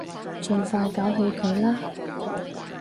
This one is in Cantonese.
盡快搞起佢啦